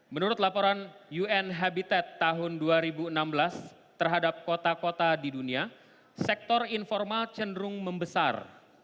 menurut laporan un habitat tahun dua ribu enam belas terhadap kota kota di dunia sektor informal cenderung membesar